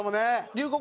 龍谷